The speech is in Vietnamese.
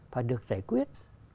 phải được giải quyết